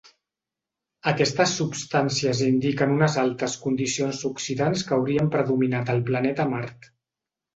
Aquestes substàncies indiquen unes altes condicions oxidants que haurien predominat al planeta Mart.